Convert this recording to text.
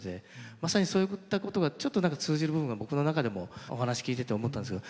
まさにそういったことがちょっと通じる部分が僕の中でもお話聞いてて思ったんですけど。